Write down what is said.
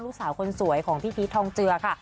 ลูกสาวคนสวยของพี่พีชทองเจือค่ะ